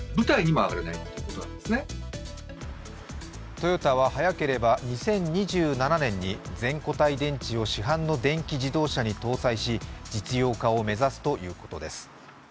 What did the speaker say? トヨタは、早ければ２０２７年に全固体電池を市販の電気自動車に搭載し実用化を目指すということです。